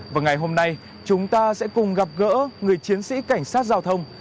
và ngày hôm nay chúng ta sẽ cùng gặp gỡ người chiến sĩ cảnh sát giao thông